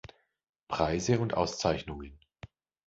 Preise und Auszeichnungen